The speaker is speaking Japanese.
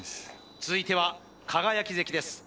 続いては輝関です